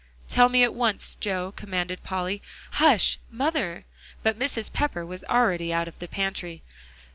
"Tell me at once, Joe," commanded Polly. "Hush! mother" but Mrs. Pepper was already out of the pantry.